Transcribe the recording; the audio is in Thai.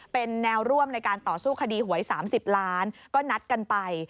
เป็นแนวร่วมในการต่อสู้คดีหวย๓๐ล้านก็นัดกันไป